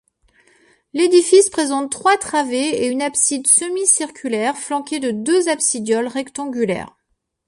L'édifice présente trois travées et une abside semi-circulaire flanquée de deux absidioles rectangulaires.